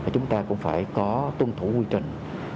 chúng ta cũng phải có tuân thủ quy trình